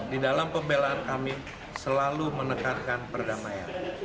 di dalam pembelaan kami selalu menekankan perdamaian